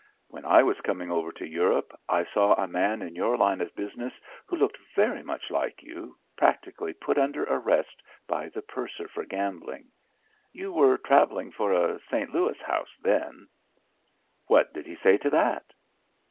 When I was coming over to Europe, I saw a man in your line of business who looked very much like you, practically put under arrest by the purser for gambling. You were travelling for a St. Louis house then.'" "What did he say to that?"